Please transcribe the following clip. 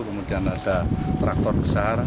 kemudian ada traktor besar